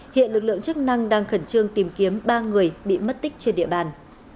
hiện lực lượng chức năng đang khẩn trương tìm kiếm ba người bị mất tích trên địa bàn